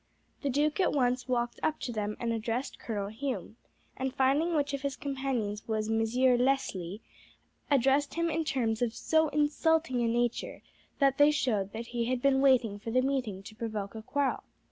The duke at once walked up to them and addressed Colonel Hume, and finding which of his companions was Monsieur Leslie, addressed him in terms of so insulting a nature that they showed that he had been waiting for the meeting to provoke a quarrel.